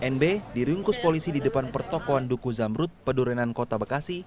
nb diringkus polisi di depan pertokohan duku zamrut pedurenan kota bekasi